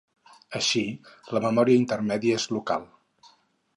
Així, la memòria intermèdia és local.